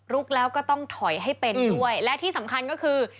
แล้วก็ต้องถอยให้เป็นด้วยและที่สำคัญก็คือ